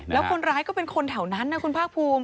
แล้วคนร้ายก็เป็นคนแถวนั้นนะคุณภาคภูมิ